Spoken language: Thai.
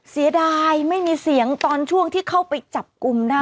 เสียดายไม่มีเสียงตอนช่วงที่เข้าไปจับกลุ่มได้